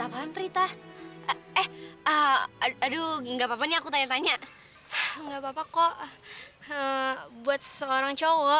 apaan prita eh aduh enggak papa nih aku tanya tanya enggak papa kok buat seorang cowok